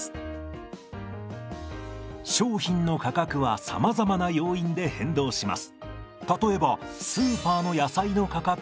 商品の価格はさまざまな要因で変動します。